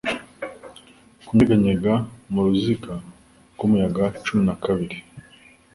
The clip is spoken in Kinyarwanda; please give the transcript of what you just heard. Kunyeganyega mu ruziga rw'umuyaga cumi na kabiri,